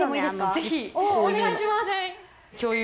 ぜひ！お願いします。